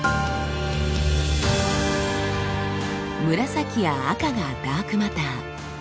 紫や赤がダークマター。